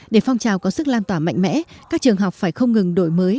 để phong trào có sức lan tỏa mạnh mẽ các trường học phải không ngừng đổi mới